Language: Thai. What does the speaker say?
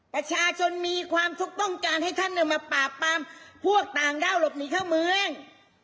ประชาชนมีความทุกข์ต้องการให้ท่านมาปราบปรามพวกต่างด้าวหลบหนีเข้าเมือง